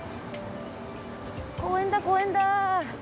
公園だ公園だ。